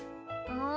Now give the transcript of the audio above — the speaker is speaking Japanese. うん。